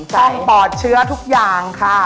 ปอดเชื้อทุกอย่างค่ะ